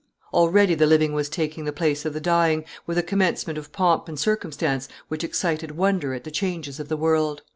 Already the living was taking the place of the dying, with a commencement of pomp and circumstance which excited wonder at the changes of the world.